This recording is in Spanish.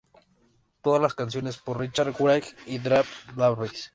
Todos las canciones por Richard Wright y Dave Harris.